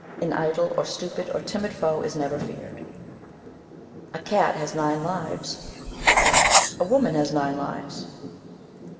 An idle, or stupid, or timid foe is never feared. _A cat has nine lives, a woman has nine lives.